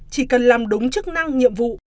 chỉ cần làm đúng chức năng nhiệm vụ